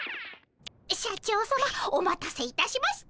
社長さまお待たせいたしました。